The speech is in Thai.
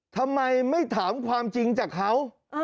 ทำไมไม่ถามความจริงจากเขา